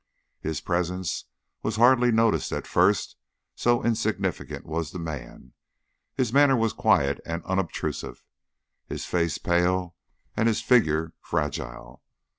His presence was hardly noticed at first, so insignificant was the man. His manner was quiet and unobtrusive, his face pale, and his figure fragile.